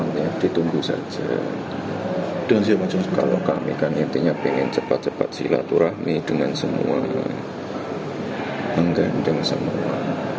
nantinya ingin cepat cepat silaturahmi dengan semua menggandeng semua